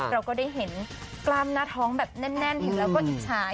เราก็ได้เห็นกล้ามหน้าท้องแบบแน่นเห็นแล้วก็อิจฉาย